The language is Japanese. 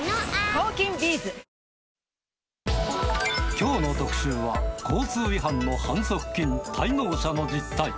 きょうの特集は、交通違反の反則金滞納者の実態。